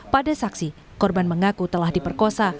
pada saksi korban mengaku telah diperkosa